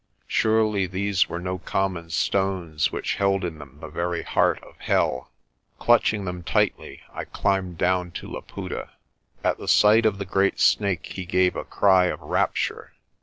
Surely these were no common stones which held in them the very heart of hell. Clutching them tightly, I climbed down to Laputa. At the sight of the great Snake he gave a cry of rapture.